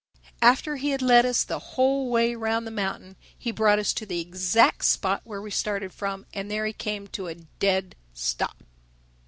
After he had led us the whole way round the mountain he brought us to the exact spot where we started from and there he came to a dead stop.